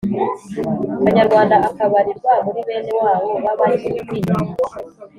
kanyarwanda, akabarirwa muri bene wabo b'abanyiginya.